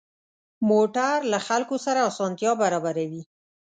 موټر له خلکو سره اسانتیا برابروي.